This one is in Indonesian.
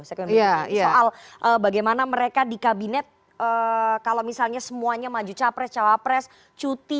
soal bagaimana mereka di kabinet kalau misalnya semuanya maju capres cawapres cuti